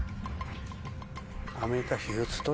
アメリカ。